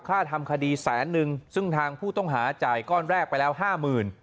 ค่าทำคดีแสนนึงซึ่งทางผู้ต้องหาจ่ายก้อนแรกไปแล้วห้าหมื่น